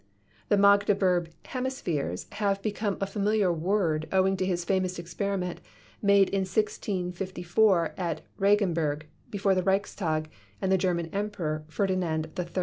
The Magdeburg Hemispheres have become a familiar word owing to his famous experiment made in 1654 at Regenburg before the Reichstag and the German Emperor, Ferdinand III.